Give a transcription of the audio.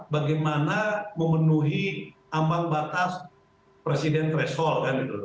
bagaimana memenuhi ambang batas presiden threshold kan gitu